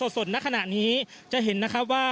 ส่วนณขณะนี้จะเห็นนะครับว่า